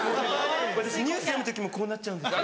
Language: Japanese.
私ニュース読む時もこうなっちゃうんですよ。